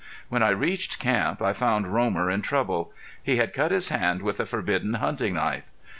When I reached camp I found Romer in trouble. He had cut his hand with a forbidden hunting knife.